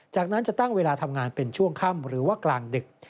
จากนั้นจะตั้งเวลาทำงานเป็นช่วงค่ำหรือว่ากลางดึก